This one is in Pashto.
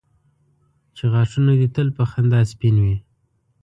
چې غاښونه دي تل په خندا سپین وي.